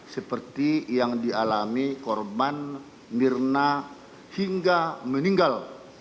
seperti yang dialami korban mirna hingga meninggal